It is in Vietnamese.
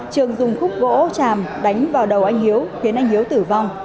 trường dùng khúc gỗ tràm đánh vào đầu anh hiếu khiến anh hiếu tử vong